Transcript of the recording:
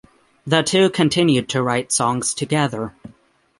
The two continued to write songs together.